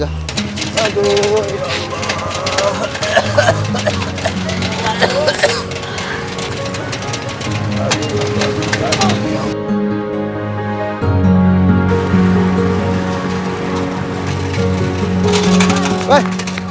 weh itu gerobaknya tuh